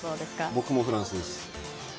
僕もフランスです。